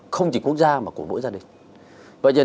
không chỉ quốc gia mà của mỗi gia đình